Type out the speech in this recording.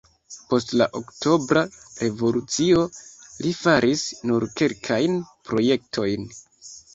Post la Oktobra revolucio li faris nur kelkajn projektojn.